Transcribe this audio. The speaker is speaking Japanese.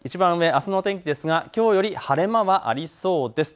あすの天気はきょうより晴れ間はありそうです。